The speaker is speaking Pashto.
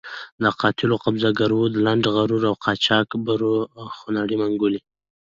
د قاتلو، قبضه ګرو، لنډه غرو او قاچاق برو خونړۍ منګولې.